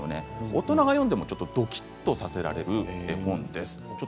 大人が読んでもどきっとさせられる絵本です。